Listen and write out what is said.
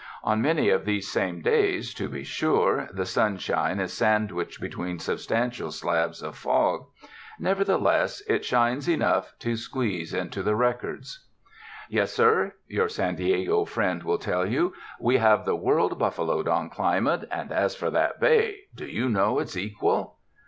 On many of these same days, to be sure, the sun shine is sandwiched between substantial slabs of fog; nevertheless it shines enough to squeeze into the records. 204 TOURIST TOWNS Yes, sir," your San Diego friend will tell you, we have the world buffaloed on climate, and as for that bay, do you know its equal?"